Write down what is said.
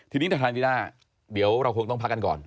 ทีนี้ทนายนิด้าเดี๋ยวเราคงต้องพักกันก่อน